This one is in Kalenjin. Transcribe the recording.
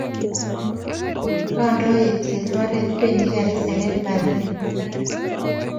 Londoi etiet oret bendi garisiek eng banda nemi barak